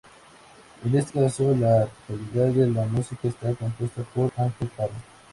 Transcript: En este caso, la totalidad de la música está compuesta por Ángel Parra.